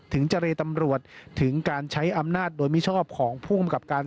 เจรตำรวจถึงการใช้อำนาจโดยมิชอบของภูมิกับการ